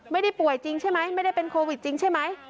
ป่วยจริงใช่ไหมไม่ได้เป็นโควิดจริงใช่ไหม